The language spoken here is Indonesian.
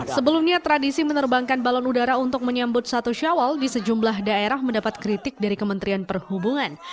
sebelumnya tradisi menerbangkan balon udara untuk menyambut satu syawal di sejumlah daerah mendapat kritik dari kementerian perhubungan